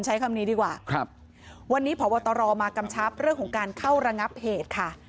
ใช้คำนี้ดีกว่าครับวันนี้พบตรมากำชับเรื่องของการเข้าระงับเหตุค่ะ